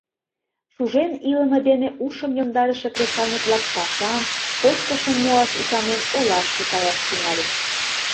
Шужен илыме дене ушым йомдарыше кресаньык-влак, пашам, кочкышым муаш ӱшанен, олашке каяш тӱҥальыч.